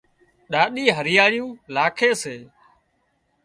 ڏاڏِي هريئاۯيون لاکي سي